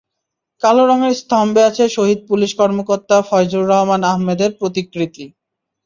কালো রঙের স্তম্ভে আছে শহীদ পুলিশ কর্মকর্তা ফয়জুর রহমান আহমেদের প্রতিকৃতি।